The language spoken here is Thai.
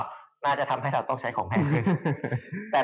น่าจะทำให้เราต้องใช้ของแพงขึ้น